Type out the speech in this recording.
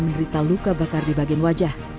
menderita luka bakar di bagian wajah